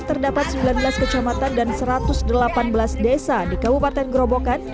terdapat sembilan belas kecamatan dan satu ratus delapan belas desa di kabupaten gerobokan